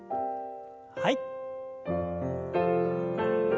はい。